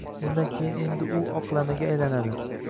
Bundan keyin endi u oqlamaga aylanadi